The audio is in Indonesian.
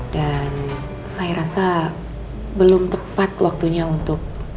dan saya rasa belum tepat waktunya untuk